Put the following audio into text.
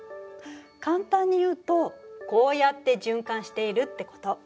簡単に言うとこうやって循環しているってこと。